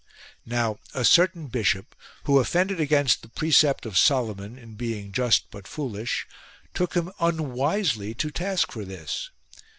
Now a certain bishop, who ofFended against the precept of Solomon in being just but foolish, took him unwisely to task for this.